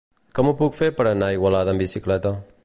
Com ho puc fer per anar a Igualada amb bicicleta?